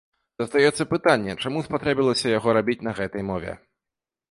Застаецца пытанне, чаму спатрэбілася яго рабіць на гэтай мове?